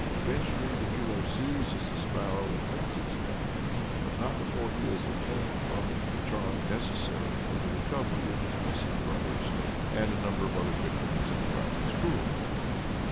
Eventually the hero seizes the sparrow and wrings its neck, but not before he has obtained from it the charm necessary for the recovery of his missing brothers and a number of other victims of the dragon's cruelty.